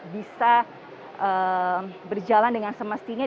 bisa berjalan dengan semestinya